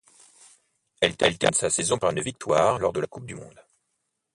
Elle termine sa saison par une victoire lors de la coupe du monde.